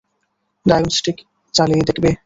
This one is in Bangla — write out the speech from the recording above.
ডায়াগনিস্টিক চালিয়ে দেখবে?